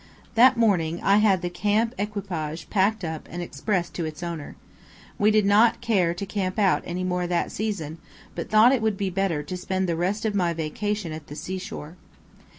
That morning I had the camp equipage packed up and expressed to its owner. We did not care to camp out any more that season, but thought it would be better to spend the rest of my vacation at the sea shore.